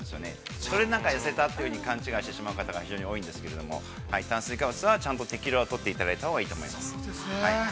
それで痩せたというふうに、勘違いしてしまう方が多いんですけど、炭水化物は、ちゃんと適量とっていただいたほうがいいと思います。